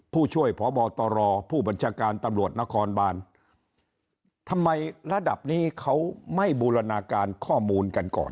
ผู้ช่วยพบตรผู้บัญชาการตำรวจนครบานทำไมระดับนี้เขาไม่บูรณาการข้อมูลกันก่อน